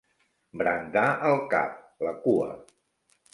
Brandar el cap, la cua.